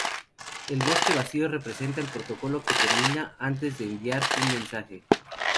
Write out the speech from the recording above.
El bosque vacío representa el protocolo que termina antes de enviar ningún mensaje.